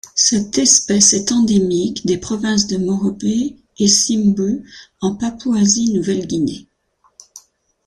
Cette espèce est endémique des provinces de Morobe et Simbu en Papouasie-Nouvelle-Guinée.